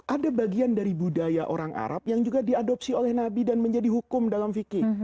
ada bagian dari budaya orang arab yang juga diadopsi oleh nabi dan menjadi hukum dalam fikih